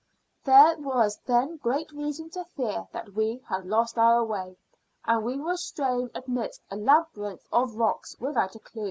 There was then great reason to fear that we had lost our way, and were straying amidst a labyrinth of rocks without a clue.